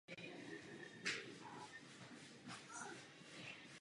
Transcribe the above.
Tento Parlament musí uvedený přístup i nadále podporovat.